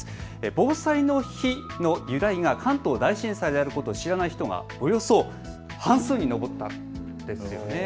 防災の日の由来が関東大震災であることを知らない人がおよそ半数弱でした。